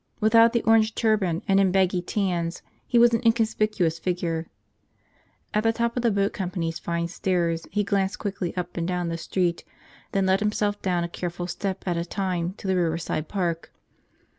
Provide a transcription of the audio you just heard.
Without the orange turban and in baggy tans, he was an inconspicuous figure. At the top of the boat company's fine stairs he glanced quickly up and down the street, then let himself down a careful step at a time to the riverside park.